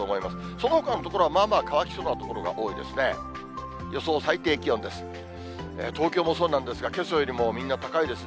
そのほかの所はまあまあ乾きそうな所が多いですね。